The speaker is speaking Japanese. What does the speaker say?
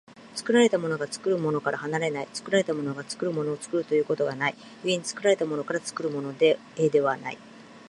作られたものが作るものから離れない、作られたものが作るものを作るということがない、故に作られたものから作るものへではない。